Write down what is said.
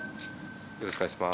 よろしくお願いします。